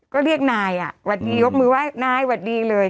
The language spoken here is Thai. ก็เรียกนายอ่ะวัดดียกมือว่านายวัดดีเลย